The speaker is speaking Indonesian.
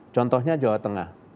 contohnya jawa tengah